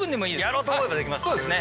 やろうと思えばできます？